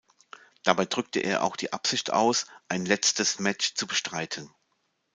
Dabei drückte er auch die Absicht aus, ein letztes Match zu bestreiten.